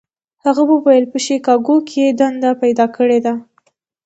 هغه وویل په شیکاګو کې یې دنده پیدا کړې ده.